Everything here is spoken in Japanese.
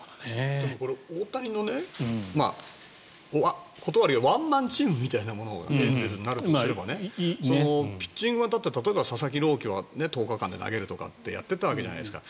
これ、大谷の言い方悪いけどワンマンチームみたいなものがエンゼルスだとすればピッチングは、佐々木朗希は１０日間で投げるとかってやってたわけじゃないですか。